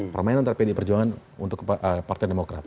permainan dari pd perjuangan untuk partai demokrat